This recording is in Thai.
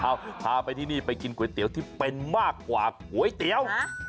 เอาพาไปที่นี่ไปกินก๋วยเตี๋ยวที่เป็นมากกว่าก๋วยเตี๋ยว